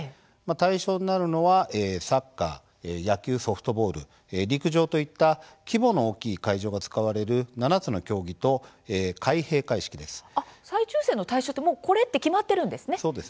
対象になるのは、サッカー野球・ソフトボール陸上といった規模の大きい会場が使われる７つの競技と、開閉会式です。